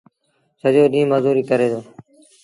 سڄو ڏيٚݩهݩ مزوريٚ ڪري دو۔